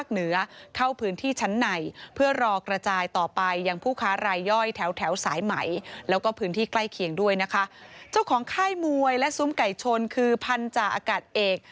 ภาคเหนือเข้าพื้นที่ชั้นในเพื่อรอกระจายต่อไปอย่างผู้ค้ารายย่อยแถวแถวสายไหมแล้วก็พื้นที่ใกล้เคียงด้วยนะคะเจ้าของค่ายมวยและซุ้มไก่ชนคือพันจาอากาศเอก